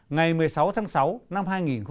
ngày một mươi sáu tháng sáu năm hai nghìn một mươi chín